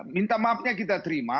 minta maafnya kita terima